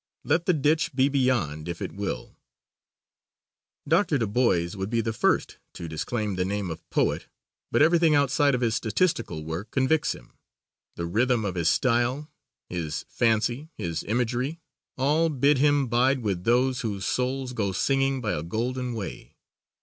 Let the ditch be beyond if it will. Dr. DuBois would be the first to disclaim the name of poet but everything outside of his statistical work convicts him. The rhythm of his style, his fancy, his imagery, all bid him bide with those whose souls go singing by a golden way.